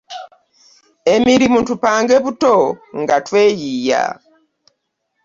Emirimu tupange buto nga tweyiiya